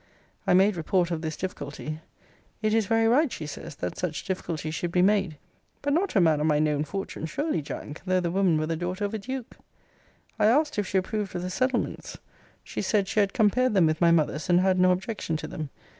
I made report of this difficulty. 'It is very right,' she says, 'that such difficulties should be made.' But not to a man of my known fortune, surely, Jack, though the woman were the daughter of a duke. I asked, if she approved of the settlements? She said, she had compared them with my mother's, and had no objection to them.